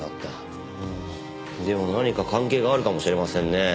でも何か関係があるかもしれませんね。